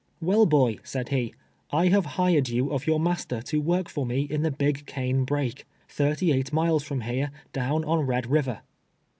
"Well, boy," said he, " I ha\e liired you of your master to work for jue in the '' Big Cane l>rake," thirty eight miles from here, down on lied River."